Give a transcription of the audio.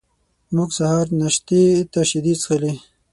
موږ سهار ناشتې ته شیدې څښلې.